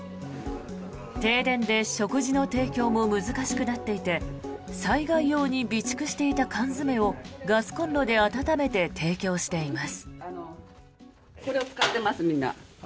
停電で食事の提供も難しくなっていて災害用に備蓄していた缶詰をガスコンロで温めて提供しています。